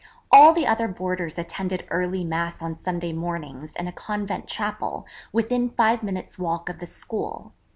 All the other boarders attended early mass on Sunday mornings in a convent chapel, within five minutes' walk of the school.